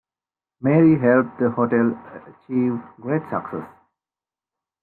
Mary helped the hotel achieve great success.